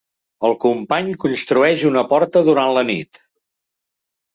El company construeix una porta durant la nit.